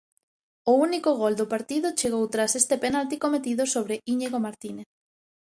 O único gol do partido chegou tras este penalti cometido sobre Íñigo Martínez.